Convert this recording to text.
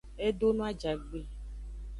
E do no ajagbe.